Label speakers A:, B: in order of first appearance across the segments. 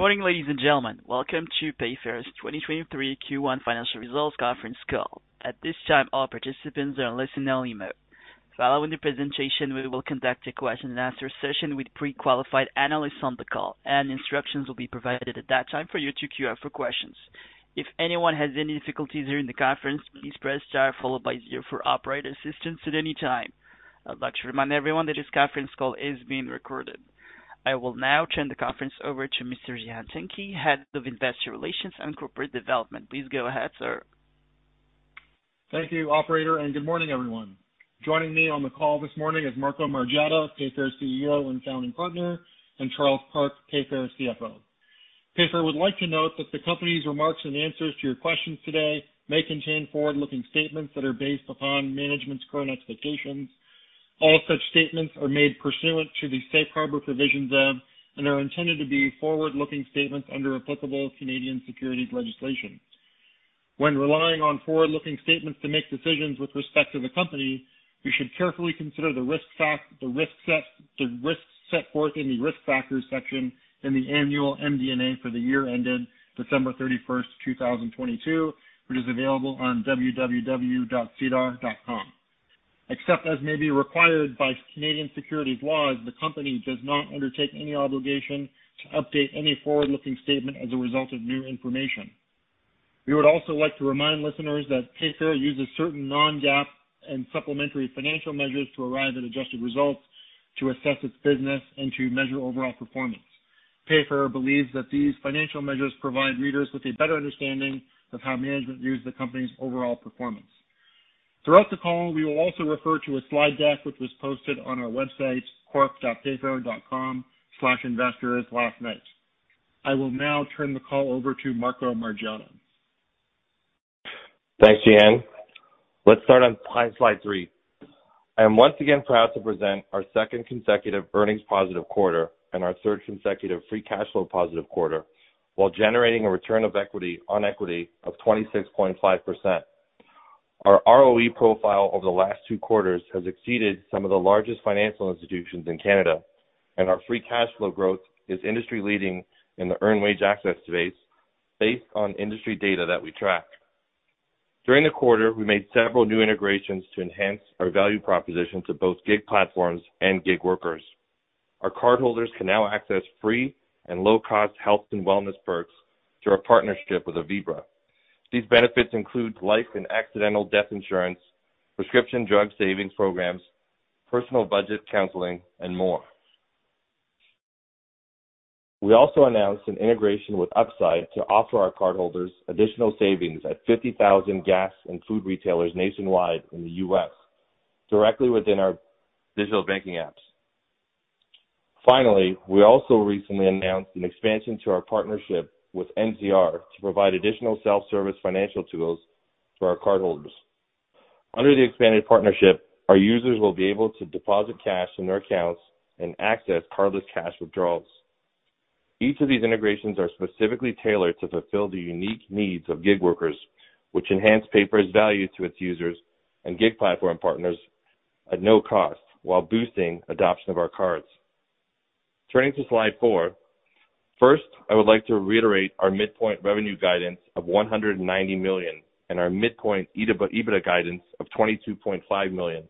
A: ood morning, ladies and gentlemen. Welcome to Payfare's 2023 Q1 financial results conference call. At this time, all participants are listening only mode. Following the presentation, we will conduct a question-and-answer session with pre-qualified analysts on the call, and instructions will be provided at that time for you to queue up for questions. If anyone has any difficulties during the conference, please press star followed by zero for operator assistance at any time. I'd like to remind everyone that this conference call is being recorded. I will now turn the conference over to Mr. Cihan Tuncay, Head of Investor Relations and Corporate Development. Please go ahead, sir.
B: Thank you, operator, and good morning, everyone. Joining me on the call this morning is Marco Margiotta, Payfare CEO and Founding Partner, and Charles Park, Payfare CFO. Payfare would like to note that the companys remarks and answers to your questions today may contain forward-looking statements that are based upon management's current expectations. All such statements are made pursuant to the safe harbor provisions of and are intended to be forward-looking statements under applicable Canadian securities legislation. When relying on forward-looking statements to make decisions with respect to the company, you should carefully consider the risk set, the risks set forth in the Risk Factors section in the annual MD&A for the year ended December 31st, 2022, which is available on www.SEDAR. Except as may be required by Canadian securities laws, the company does not undertake any obligation to update any forward-looking statement as a result of new information. We would also like to remind listeners that Payfare uses certain non-GAAP and supplementary financial measures to arrive at adjusted results to assess its business and to measure overall performance. Payfare believes that these financial measures provide readers with a better understanding of how management views the company's overall performance. Throughout the call, we will also refer to a slide deck, which was posted on our website, www.payfare.com/investors last night. I will now turn the call over to Marco Margiotta.
C: Thanks, Cihan. Let's start on slide 3. I am once again proud to present our second consecutive earnings positive quarter and our third consecutive free cash flow positive quarter while generating a return of equity on equity of 26.5%. Our ROE profile over the last two quarters has exceeded some of the largest financial institutions in Canada. Our free cash flow growth is industry-leading in the earned wage access space based on industry data that we track. During the quarter, we made several new integrations to enhance our value proposition to both gig platforms and gig workers. Our cardholders can now access free and low-cost health and wellness perks through our partnership with Avibra. These benefits include life and accidental death insurance, prescription drug savings programs, personal budget counseling, and more. We also announced an integration with Upside to offer our cardholders additional savings at 50,000 gas and food retailers nationwide in the U.S. directly within our digital banking apps. We also recently announced an expansion to our partnership with NCR to provide additional self-service financial tools to our cardholders. Under the expanded partnership, our users will be able to deposit cash in their accounts and access cardless cash withdrawals. Each of these integrations are specifically tailored to fulfill the unique needs of gig workers, which enhance Payfare's value to its users and gig platform partners at no cost while boosting adoption of our cards. Turning to slide four. I would like to reiterate our midpoint revenue guidance of $190 million and our midpoint EBITDA guidance of $22.5 million.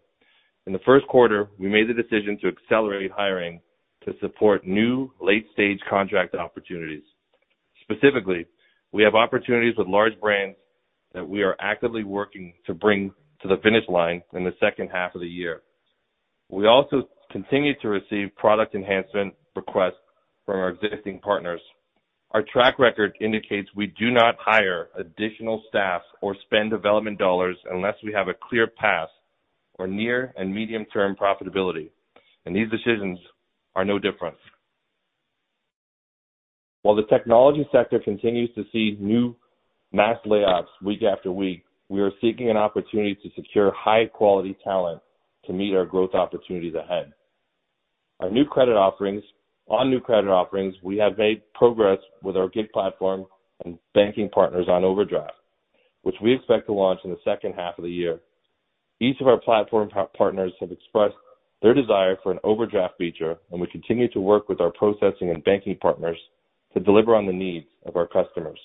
C: In the first quarter, we made the decision to accelerate hiring to support new late-stage contract opportunities. Specifically, we have opportunities with large brands that we are actively working to bring to the finish line in the second half of the year. We also continue to receive product enhancement requests from our existing partners. Our track record indicates we do not hire additional staff or spend development dollars unless we have a clear path for near and medium-term profitability. These decisions are no different. While the technology sector continues to see new mass layoffs week after week, we are seeking an opportunity to secure high-quality talent to meet our growth opportunities ahead. On new credit offerings, we have made progress with our gig platform and banking partners on overdraft, which we expect to launch in the second half of the year. Each of our platform partners have expressed their desire for an overdraft feature, we continue to work with our processing and banking partners to deliver on the needs of our customers.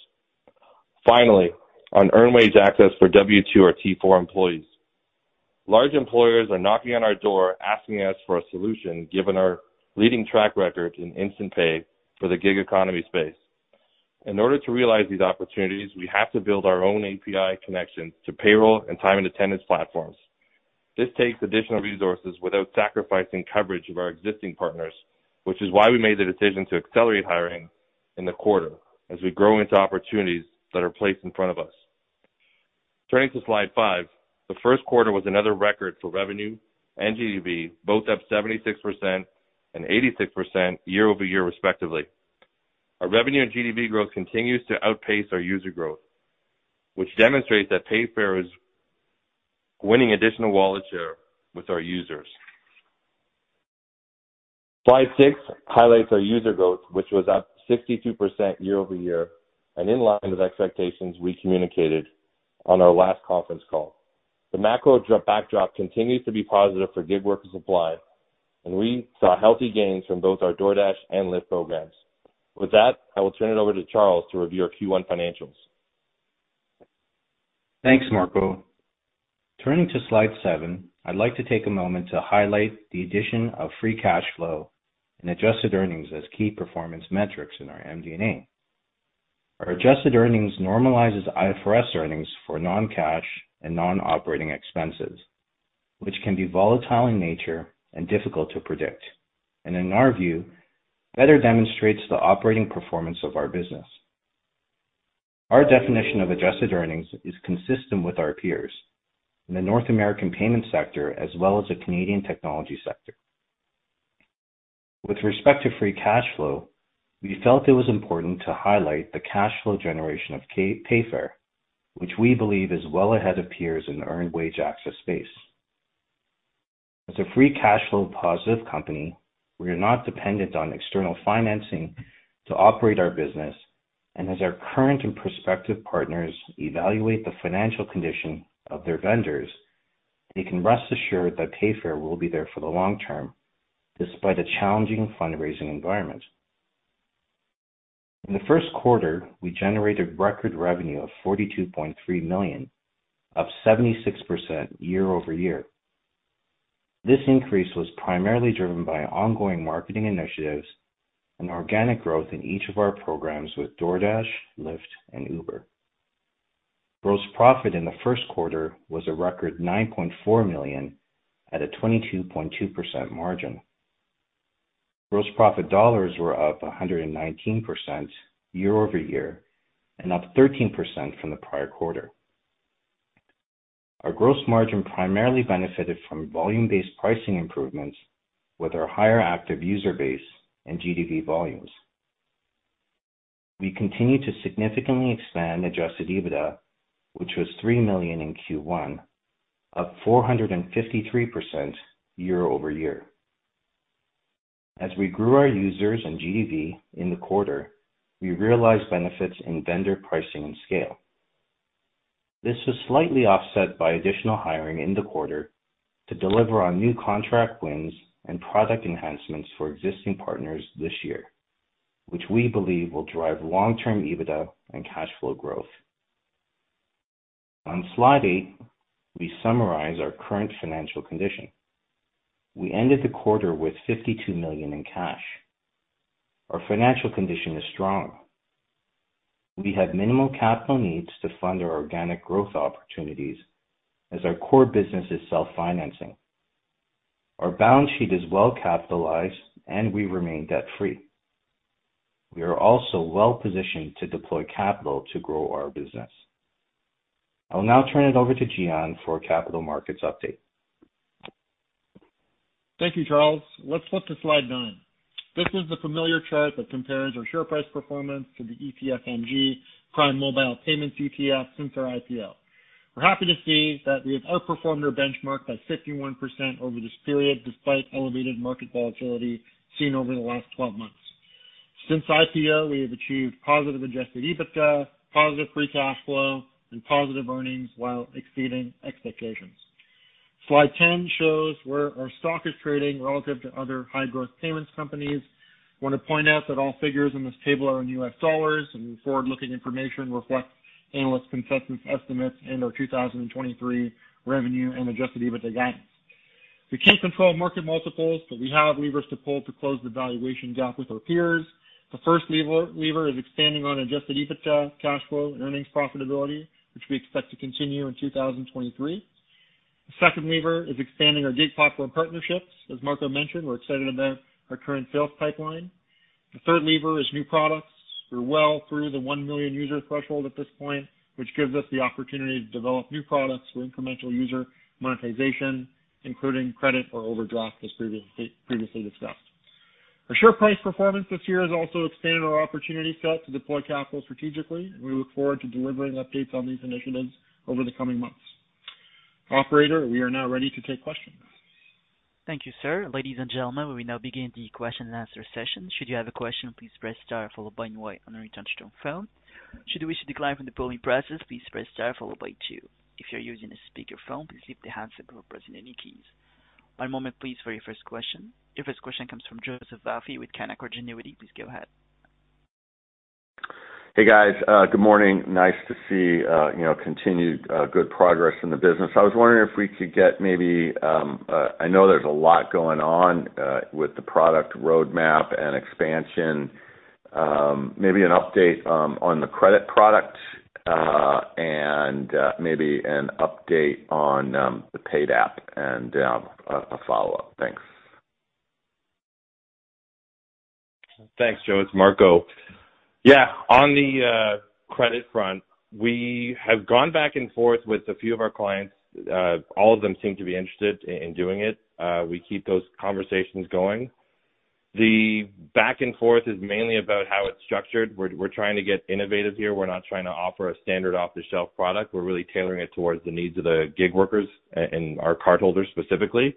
C: Finally, on earn wage access for W-2 or T-4 employees. Large employers are knocking on our door asking us for a solution given our leading track record in instant pay for the gig economy space. In order to realize these opportunities, we have to build our own API connection to payroll and time and attendance platforms. This takes additional resources without sacrificing coverage of our existing partners, which is why we made the decision to accelerate hiring in the quarter as we grow into opportunities that are placed in front of us. Turning to slide five. The first quarter was another record for revenue and GDV, both up 76% and 86% year-over-year, respectively. Our revenue and GDV growth continues to outpace our user growth, which demonstrates that Payfare is winning additional wallet share with our users. Slide 6 highlights our user growth, which was up 62% year-over-year and in line with expectations we communicated on our last conference call. The macro backdrop continues to be positive for gig worker supply, and we saw healthy gains from both our DoorDash and Lyft programs. With that, I will turn it over to Charles to review our Q1 financials.
D: Thanks, Marco. Turning to slide 7, I'd like to take a moment to highlight the addition of free cash flow and adjusted earnings as key performance metrics in our MD&A. Our adjusted earnings normalizes IFRS earnings for non-cash and non-operating expenses, which can be volatile in nature and difficult to predict, and in our view, better demonstrates the operating performance of our business. Our definition of adjusted earnings is consistent with our peers in the North American payments sector as well as the Canadian technology sector. With respect to free cash flow, we felt it was important to highlight the cash flow generation of Payfare, which we believe is well ahead of peers in the earned wage access space. As a free cash flow positive company, we are not dependent on external financing to operate our business, as our current and prospective partners evaluate the financial condition of their vendors, they can rest assured that Payfare will be there for the long term despite a challenging fundraising environment. In the first quarter, we generated record revenue of $42.3 million, up 76% year-over-year. This increase was primarily driven by ongoing marketing initiatives and organic growth in each of our programs with DoorDash, Lyft and Uber. Gross profit in the first quarter was a record $9.4 million at a 22.2% margin. Gross profit dollars were up 119% year-over-year and up 13% from the prior quarter. Our gross margin primarily benefited from volume-based pricing improvements with our higher active user base and GDV volumes. We continue to significantly expand adjusted EBITDA, which was $3 million in Q1, up 453% year-over-year. As we grew our users and GDV in the quarter, we realized benefits in vendor pricing and scale. This was slightly offset by additional hiring in the quarter to deliver on new contract wins and product enhancements for existing partners this year, which we believe will drive long-term EBITDA and cash flow growth. On slide eight, we summarize our current financial condition. We ended the quarter with $52 million in cash. Our financial condition is strong. We have minimal capital needs to fund our organic growth opportunities as our core business is self-financing. Our balance sheet is well capitalized, and we remain debt-free. We are also well positioned to deploy capital to grow our business. I will now turn it over to Cihan for capital markets update.
B: Thank you, Charles. Let's flip to slide nine. This is the familiar chart that compares our share price performance to the ETFMG Prime Mobile Payments ETF since our IPO. We're happy to see that we have outperformed our benchmark by 51% over this period, despite elevated market volatility seen over the last 12 months. Since IPO, we have achieved positive adjusted EBITDA, positive free cash flow, and positive earnings while exceeding expectations. Slide 10 shows where our stock is trading relative to other high-growth payments companies. Want to point out that all figures in this table are in US dollars. The forward-looking information reflects analyst consensus estimates and our 2023 revenue and adjusted EBITDA guidance. We can't control market multiples. We have levers to pull to close the valuation gap with our peers. The first lever is expanding on adjusted EBITDA cash flow and earnings profitability, which we expect to continue in 2023. The second lever is expanding our gig platform partnerships. As Marco mentioned, we're excited about our current sales pipeline. The third lever is new products. We're well through the 1 million user threshold at this point, which gives us the opportunity to develop new products for incremental user monetization, including credit or overdraft, as previously discussed. Our share price performance this year has also expanded our opportunity set to deploy capital strategically, and we look forward to delivering updates on these initiatives over the coming months. Operator, we are now ready to take questions.
A: Thank you, sir. Ladies and gentlemen, we now begin the question and answer session. Should you have a question, please press star followed by one and wait on return to join phone. Should we decline from the polling process, please press star followed by two. If you're using a speakerphone, please lift the handset before pressing any keys. One moment please for your first question. Your first question comes from Joseph Vafi with Canaccord Genuity. Please go ahead.
E: Hey, guys. Good morning. Nice to see, you know, continued good progress in the business. I was wondering if we could get maybe, I know there's a lot going on with the product roadmap and expansion, maybe an update on the credit product, and maybe an update on the Paid App and a follow-up. Thanks, Joe.
C: It's Marco. Yeah, on the credit front, we have gone back and forth with a few of our clients. All of them seem to be interested in doing it. We keep those conversations going. The back and forth is mainly about how it's structured. We're trying to get innovative here. We're not trying to offer a standard off-the-shelf product. We're really tailoring it towards the needs of the gig workers and our cardholders specifically.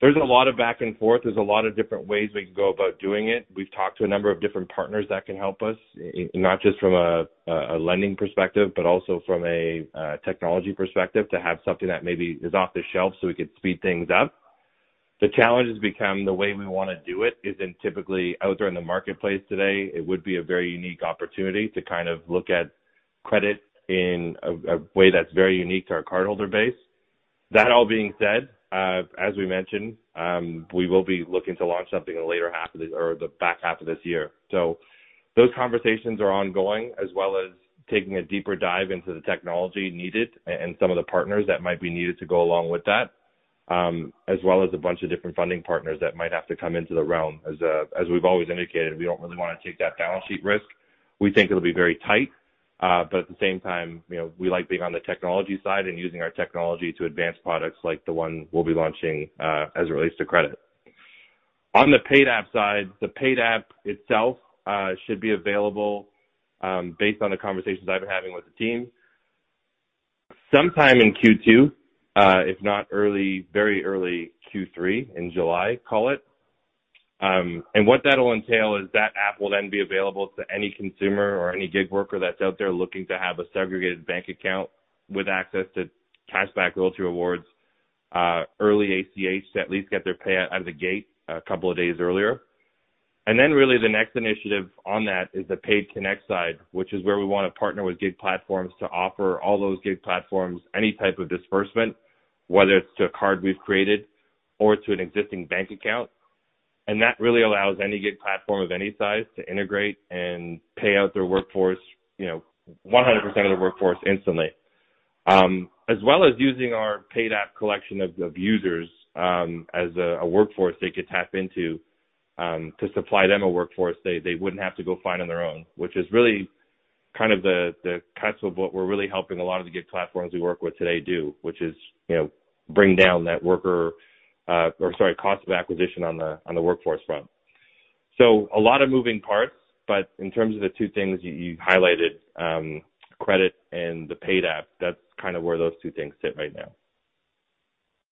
C: There's a lot of back and forth. There's a lot of different ways we can go about doing it. We've talked to a number of different partners that can help us, not just from a lending perspective, but also from a technology perspective, to have something that maybe is off the shelf so we could speed things up. The challenge has become the way we wanna do it isn't typically out there in the marketplace today. It would be a very unique opportunity to kind of look at credit in a way that's very unique to our cardholder base. That all being said, as we mentioned, we will be looking to launch something in the later half of this or the back half of this year. Those conversations are ongoing, as well as taking a deeper dive into the technology needed and some of the partners that might be needed to go along with that, as well as a bunch of different funding partners that might have to come into the realm. As we've always indicated, we don't really wanna take that balance sheet risk. We think it'll be very tight. At the same time, you know, we like being on the technology side and using our technology to advance products like the one we'll be launching, as it relates to credit. On the Paid App side, the Paid App itself, should be available, based on the conversations I've been having with the team, sometime in Q2, if not very early Q3 in July, call it. What that'll entail is that app will then be available to any consumer or any gig worker that's out there looking to have a segregated bank account with access to cashback loyalty rewards, early ACH to at least get their pay out of the gate a couple of days earlier. Really the next initiative on that is the Paid Connect side, which is where we wanna partner with gig platforms to offer all those gig platforms any type of disbursement, whether it's to a card we've created or to an existing bank account. That really allows any gig platform of any size to integrate and pay out their workforce, you know, 100% of their workforce instantly. As well as using our Paid app collection of users, as a workforce they could tap into, to supply them a workforce they wouldn't have to go find on their own, which is really kind of the crux of what we're really helping a lot of the gig platforms we work with today do, which is, you know, bring down that worker, or sorry, cost of acquisition on the workforce front. A lot of moving parts, but in terms of the two things you highlighted, credit and the Paid app, that's kind of where those two things sit right now.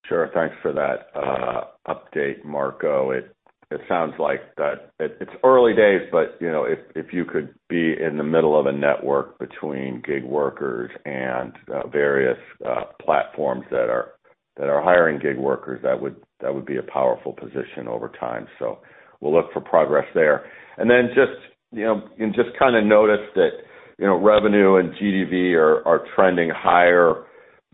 E: Sure. Thanks for that update, Marco. It sounds like that it's early days, but, you know, if you could be in the middle of a network between gig workers and various platforms that are hiring gig workers, that would be a powerful position over time. We'll look for progress there. Just, you know, and just kind of notice that, you know, revenue and GDV are trending higher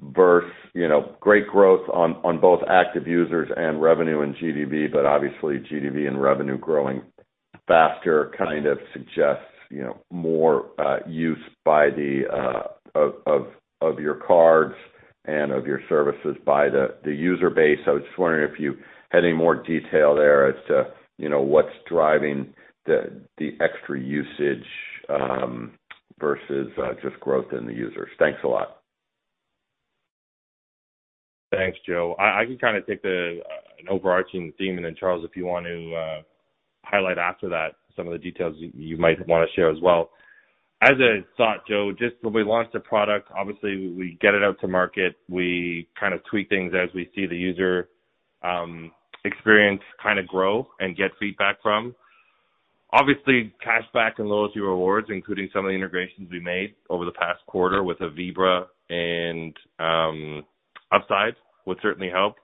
E: versus, you know, great growth on both active users and revenue and GDV, but obviously GDV and revenue growing faster kind of suggests, you know, more use of your cards and of your services by the user base. I was just wondering if you had any more detail there as to, you know, what's driving the extra usage, versus just growth in the users. Thanks a lot.
C: Thanks, Joseph. I can kinda take the an overarching theme, and then Charles, if you want to highlight after that some of the details you might wanna share as well. As I thought, Joe, just when we launched a product, obviously we get it out to market. We kind of tweak things as we see the user experience kinda grow and get feedback from. Obviously, cashback and loyalty rewards, including some of the integrations we made over the past quarter with Avibra and Upside would certainly help.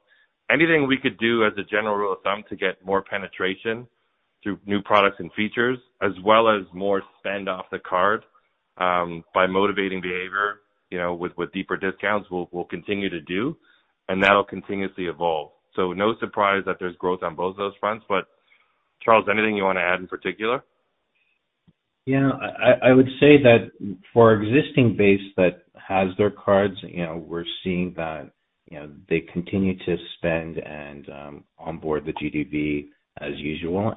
C: Anything we could do as a general rule of thumb to get more penetration through new products and features, as well as more spend off the card by motivating behavior, you know, with deeper discounts, we'll continue to do, and that'll continuously evolve. No surprise that there's growth on both of those fronts. Charles, anything you wanna add in particular?
D: Yeah. I would say that for our existing base that has their cards, you know, we're seeing that, you know, they continue to spend and onboard the GDV as usual.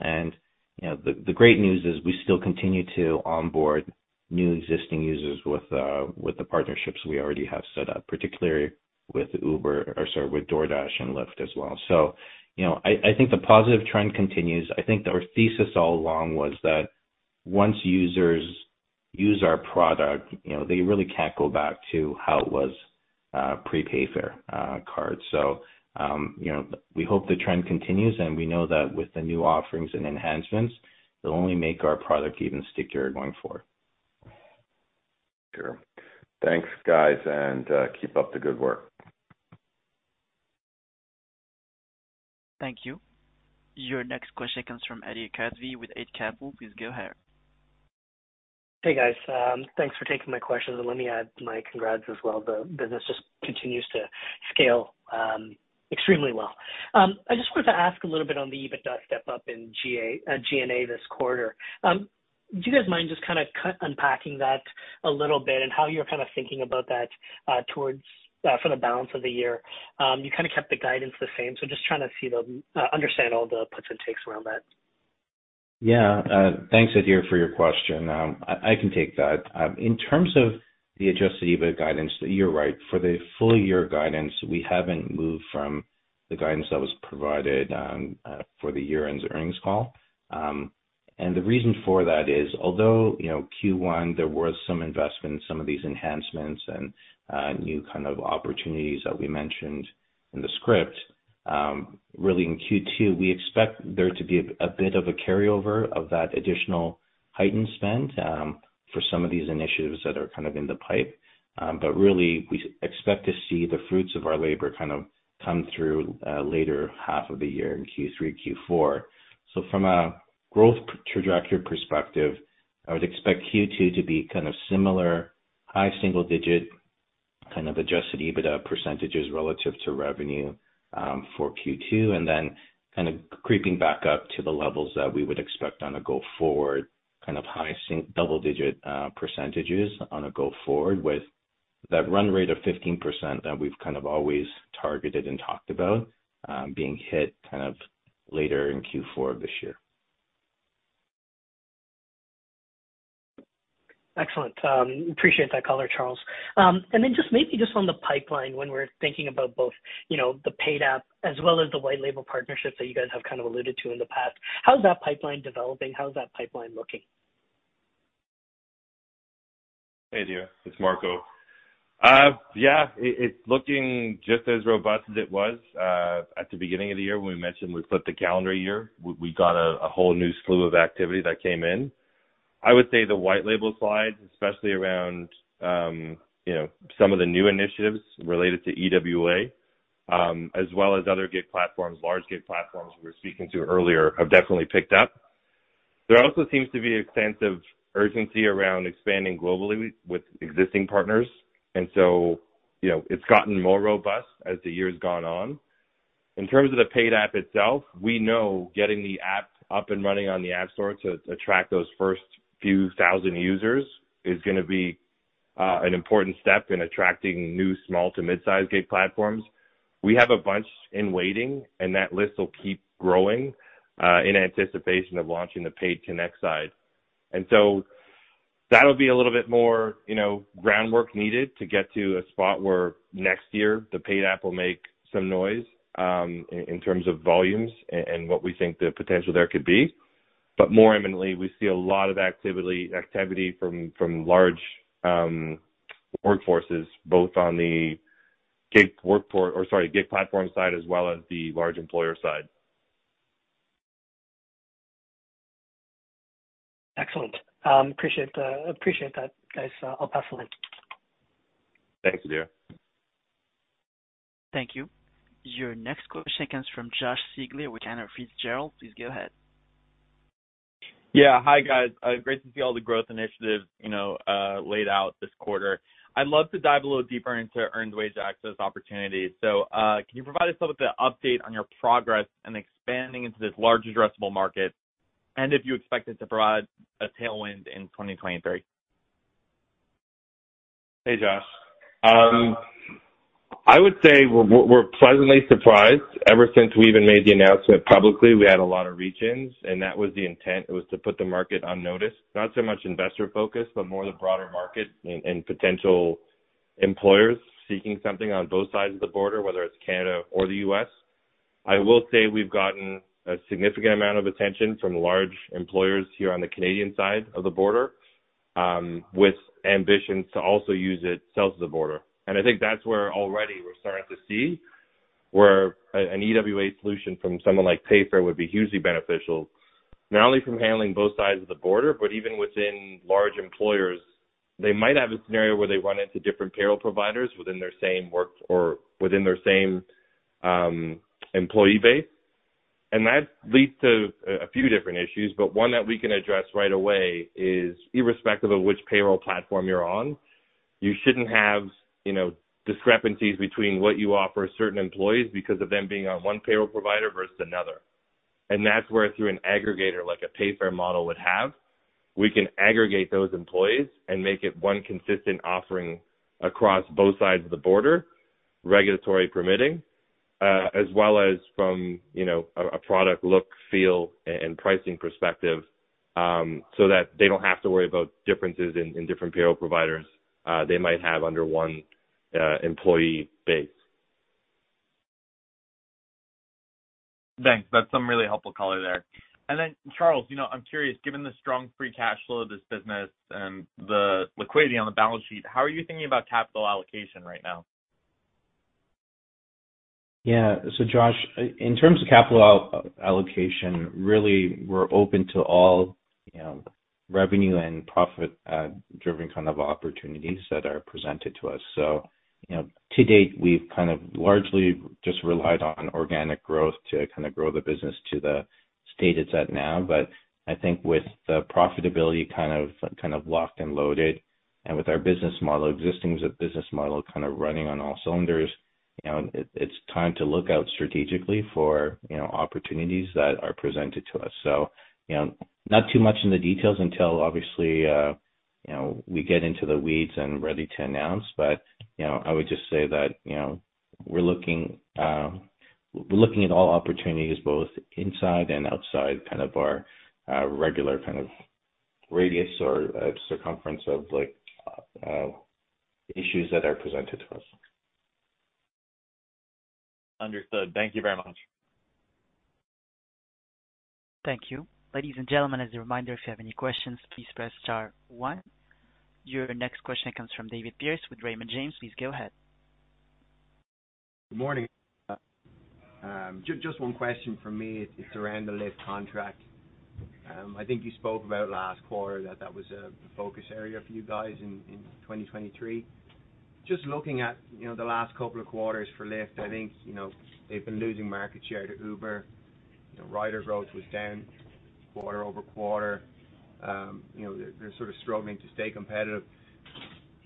D: You know, the great news is we still continue to onboard new existing users with the partnerships we already have set up, particularly with DoorDash and Lyft as well. You know, I think the positive trend continues. I think that our thesis all along was that once users use our product, you know, they really can't go back to how it was pre-Payfare card. You know, we hope the trend continues, and we know that with the new offerings and enhancements, it'll only make our product even stickier going forward.
E: Sure. Thanks, guys, and keep up the good work.
A: Thank you. Your next question comes from Adir Kasri with Eight Capital. Please go ahead.
F: Hey, guys. Thanks for taking my questions, and let me add my congrats as well. The business just continues to scale extremely well. I just wanted to ask a little bit on the EBITDA step-up in G&A this quarter. Do you guys mind just kinda unpacking that a little bit and how you're kinda thinking about that towards for the balance of the year? You kinda kept the guidance the same, so just trying to understand all the puts and takes around that.
D: Yeah. Thanks, Adir, for your question. I can take that. In terms of the adjusted EBITDA guidance, you're right. For the full year guidance, we haven't moved from the guidance that was provided for the year-end's earnings call. The reason for that is although, you know, Q1 there was some investment in some of these enhancements and new kind of opportunities that we mentioned in the script, really in Q2, we expect there to be a bit of a carryover of that additional heightened spend for some of these initiatives that are kind of in the pipe. Really, we expect to see the fruits of our labor kind of come through later half of the year in Q3, Q4. From a growth trajectory perspective, I would expect Q2 to be kind of similar high single digit, kind of adjusted EBITDA % relative to revenue for Q2, and then kind of creeping back up to the levels that we would expect on a go-forward, kind of high double-digit % on a go forward with that run rate of 15% that we've kind of always targeted and talked about, being hit kind of later in Q4 this year.
F: Excellent. appreciate that color, Charles. Just maybe just on the pipeline when we're thinking about both, you know, the Paid App as well as the white label partnerships that you guys have kind of alluded to in the past. How's that pipeline developing? How's that pipeline looking?
C: Hey, Adir, it's Marco. Yeah, it's looking just as robust as it was at the beginning of the year when we mentioned we flipped the calendar year. We got a whole new slew of activity that came in. I would say the white label slide, especially around, you know, some of the new initiatives related to EWA, as well as other gig platforms, large gig platforms we were speaking to earlier, have definitely picked up. There also seems to be a sense of urgency around expanding globally with existing partners. You know, it's gotten more robust as the year's gone on. In terms of the Paid App itself, we know getting the app up and running on the App Store to attract those first few thousand users is gonna be an important step in attracting new small to mid-size gig platforms. We have a bunch in waiting, and that list will keep growing in anticipation of launching the paid Connect side. That'll be a little bit more, you know, groundwork needed to get to a spot where next year the Paid App will make some noise in terms of volumes and what we think the potential there could be. More imminently, we see a lot of activity from large workforces, both on the gig workforce or sorry, gig platform side as well as the large employer side.
F: Excellent. appreciate that, guys. I'll pass the line.
C: Thanks, Adir.
A: Thank you. Your next question comes from Josh Siegler with Canaccord Genuity. Please go ahead.
G: Yeah. Hi, guys. Great to see all the growth initiatives, you know, laid out this quarter. I'd love to dive a little deeper into earned wage access opportunities. Can you provide us with an update on your progress in expanding into this large addressable market, and if you expect it to provide a tailwind in 2023?
C: Hey, Josh. I would say we're pleasantly surprised. Ever since we even made the announcement publicly, we had a lot of reach-ins. That was the intent, was to put the market on notice. Not so much investor focus, but more the broader market and potential employers seeking something on both sides of the border, whether it's Canada or the U.S. I will say we've gotten a significant amount of attention from large employers here on the Canadian side of the border, with ambitions to also use it south of the border. I think that's where already we're starting to see where a, an EWA solution from someone like Payfare would be hugely beneficial, not only from handling both sides of the border, but even within large employers. They might have a scenario where they run into different payroll providers within their same work or within their same employee base. That leads to a few different issues, but one that we can address right away is irrespective of which payroll platform you're on, you shouldn't have, you know, discrepancies between what you offer certain employees because of them being on one payroll provider versus another. That's where through an aggregator like a Payfare model would have, we can aggregate those employees and make it one consistent offering across both sides of the border, regulatory permitting, as well as from, you know, a product look, feel, and pricing perspective, so that they don't have to worry about differences in different payroll providers they might have under one employee base.
G: Thanks. That's some really helpful color there. Charles, you know, I'm curious, given the strong free cash flow of this business and the liquidity on the balance sheet, how are you thinking about capital allocation right now?
D: Yeah. Josh, in terms of capital allocation, really, we're open to all, you know, revenue and profit driven kind of opportunities that are presented to us. You know, to date, we've kind of largely just relied on organic growth to kind of grow the business to the state it's at now. I think with the profitability kind of locked and loaded, and with our business model existing as a business model kind of running on all cylinders, you know, it's time to look out strategically for, you know, opportunities that are presented to us. You know, not too much in the details until obviously, you know, we get into the weeds and ready to announce. You know, I would just say that, you know, we're looking, we're looking at all opportunities both inside and outside kind of our, regular kind of radius or, circumference of like, issues that are presented to us.
C: Understood. Thank you very much.
A: Thank you. Ladies and gentlemen, as a reminder, if you have any questions, please press star one. Your next question comes from David Pearce with Raymond James. Please go ahead.
H: Good morning. Just one question from me. It's around the Lyft contract. I think you spoke about last quarter that that was a focus area for you guys in 2023. Just looking at, you know, the last couple of quarters for Lyft, I think, you know, they've been losing market share to Uber. You know, rider growth was down quarter-over-quarter. You know, they're sort of struggling to stay competitive.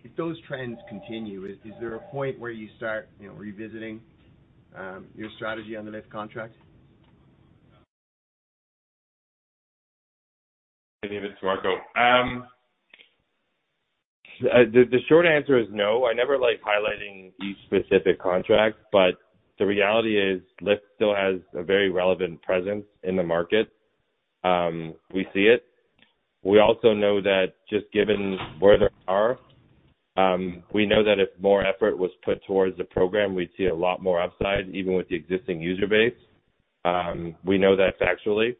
H: If those trends continue, is there a point where you start, you know, revisiting your strategy on the Lyft contract?
C: Hi, David. It's Marco. The short answer is no. I never like highlighting each specific contract, but the reality is Lyft still has a very relevant presence in the market. We see it. We also know that just given where they are, we know that if more effort was put towards the program, we'd see a lot more upside even with the existing user base. We know that factually.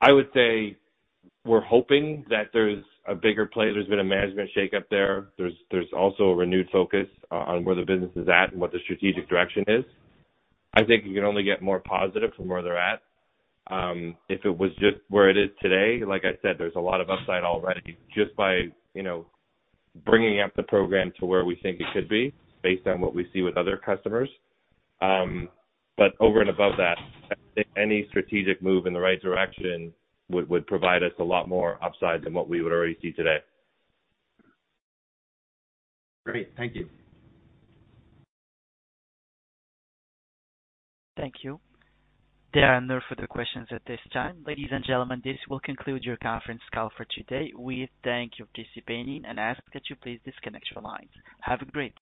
C: I would say we're hoping that there's a bigger play. There's been a management shakeup there. There's also a renewed focus on where the business is at and what the strategic direction is. I think you can only get more positive from where they're at. If it was just where it is today, like I said, there's a lot of upside already just by, you know, bringing up the program to where we think it should be based on what we see with other customers. Over and above that, any strategic move in the right direction would provide us a lot more upside than what we would already see today.
H: Great. Thank you.
A: Thank you. There are no further questions at this time. Ladies and gentlemen, this will conclude your conference call for today. We thank you participating and ask that you please disconnect your lines. Have a great day.